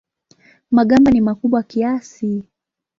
Magamba ni makubwa kiasi.